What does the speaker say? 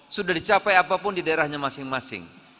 sudah dicapai apapun di daerahnya masing masing